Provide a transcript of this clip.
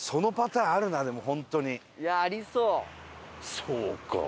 そうか。